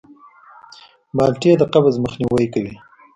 مالټې د قبض مخنیوی کوي.